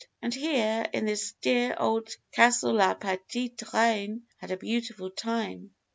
"And here in this dear old Castle La Petite Reine had a beautiful time.